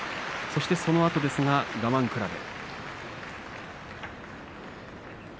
そして、そのあとです我慢比べ。